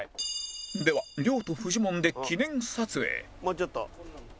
では亮とフジモンで記念撮影